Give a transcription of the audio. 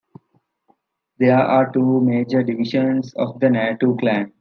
There are two major divisions of the Natu clan.